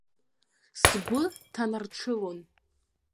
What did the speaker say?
Сгәы ҭанарҽылон.